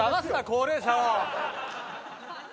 高齢者を！